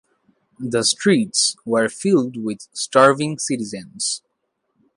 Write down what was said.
The streets were filled with starving citizens.